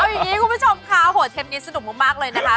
อย่างนี้คุณผู้ชมค่ะโหเทปนี้สนุกมากเลยนะคะ